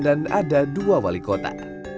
dan ada dua wali kota